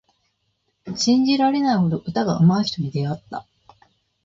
信じられないほど歌がうまい人に出会った。